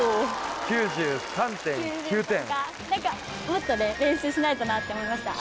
もっとね練習しないとなって思いました。